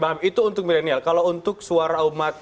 baik itu untuk milenial kalau untuk suara umat muslim pak yusuf